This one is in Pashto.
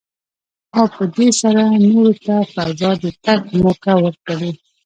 او په دې سره نورو ته فضا ته د تګ موکه ورکړي.